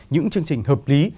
những chương trình hợp lý